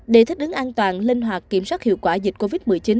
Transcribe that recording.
để thích ứng an toàn linh hoạt kiểm soát hiệu quả dịch covid một mươi chín